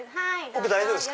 奥大丈夫ですか？